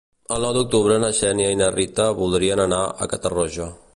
El nou d'octubre na Xènia i na Rita voldrien anar a Catarroja.